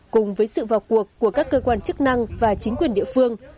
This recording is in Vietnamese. cùng với sự vào cuộc của các cơ quan chức năng và chính quyền địa phương